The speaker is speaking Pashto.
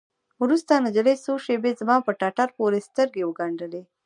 وروسته نجلۍ څو شېبې زما په ټټر پورې سترګې وگنډلې.